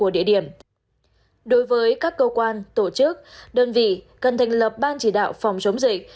đối với các cơ quan tổ chức đơn vị cần thành lập ban chỉ đạo phòng chống dịch